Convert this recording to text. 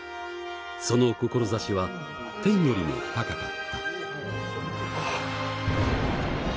その志は天よりも高かった。